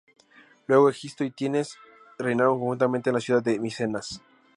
Luego Egisto y Tiestes reinaron conjuntamente en la ciudad de Micenas.